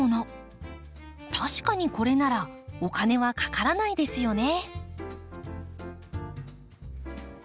確かにこれならお金はかからないですよね。